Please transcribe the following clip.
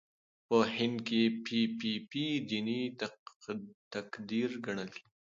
په هند کې پي پي پي دیني تقدیر ګڼل کېږي.